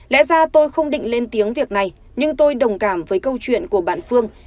lẽ ra tôi không định lên tiếng việc này nhưng tôi đồng cảm với câu chuyện của bạn phương